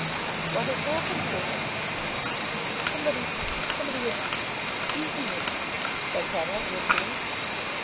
"What has happened to him?" "Somebody, somebody has, beaten him," said Hetta whimpering.